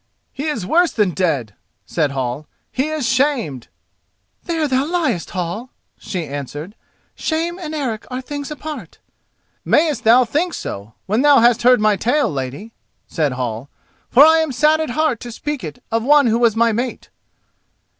"He is worse than dead," said Hall. "He is shamed." "There thou liest, Hall," she answered. "Shame and Eric are things apart." "Mayst thou think so when thou hast heard my tale, lady," said Hall, "for I am sad at heart to speak it of one who was my mate."